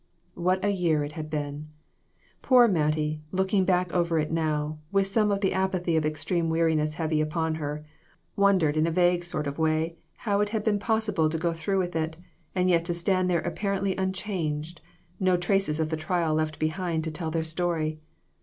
What a year it had been ! Poor Mat tie, looking back over it now, with some of the apathy of extreme weariness heavy upon her, wondered in a vague sort of way how it had been possible to go through with it, and yet to stand there apparently unchanged no traces of the trial left behind to tell their story.